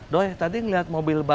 doi tadi ngeliat mobil